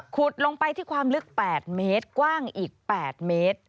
ลงไปที่ความลึก๘เมตรกว้างอีก๘เมตร